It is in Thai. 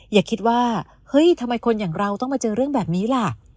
อย่าคิดว่าเฮ้ยทำไมคนอย่างเราต้องมาเจอเรื่องแบบนี้ล่ะ